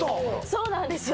そうなんですよ